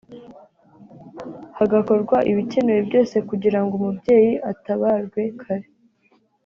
hagakorwa ibikenewe byose kugira ngo umubyeyi atabarwe kare